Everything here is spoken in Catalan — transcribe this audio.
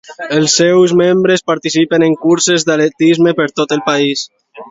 Els seus membres participen en curses d'atletisme per tot el país.